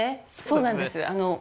そうなんです。